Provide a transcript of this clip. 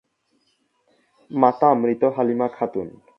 মাতা মৃত হালিমা খাতুন।